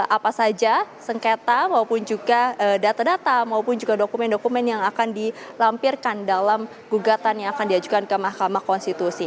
apa saja sengketa maupun juga data data maupun juga dokumen dokumen yang akan dilampirkan dalam gugatan yang akan diajukan ke mahkamah konstitusi